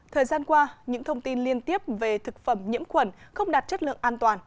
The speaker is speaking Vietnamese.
thời gian qua những thông tin liên tiếp về thực phẩm nhiễm khuẩn không đạt chất lượng an toàn